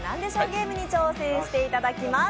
ゲーム」に挑戦していただきます。